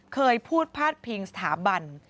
เคยพูดพาดพิงสถาบัน